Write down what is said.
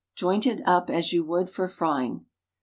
Joint it as you would for frying.